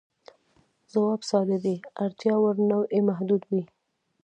ځواب ساده دی، اړتیا وړ نوعې محدودې وې.